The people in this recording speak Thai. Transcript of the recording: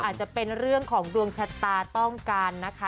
อาจจะเป็นเรื่องของดวงชะตาต้องการนะคะ